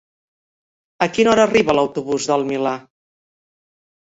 A quina hora arriba l'autobús del Milà?